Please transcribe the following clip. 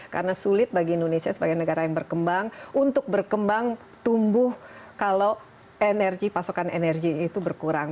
karena sulit bagi indonesia sebagai negara yang berkembang untuk berkembang tumbuh kalau energi pasokan energi itu berkurang